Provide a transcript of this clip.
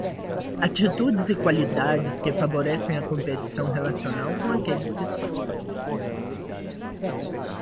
Atitudes e qualidades que favorecem a competição relacional com aqueles que sofrem.